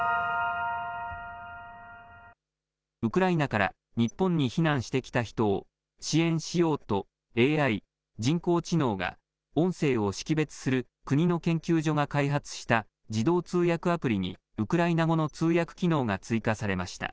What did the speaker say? ウクライナから日本に避難してきた人を支援しようと、ＡＩ・人工知能が音声を識別する国の研究所が開発した自動通訳アプリに、ウクライナ語の通訳機能が追加されました。